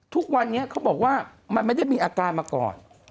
ทุกวันนี้เขาบอกว่ามันไม่ได้มีอาการมาก่อน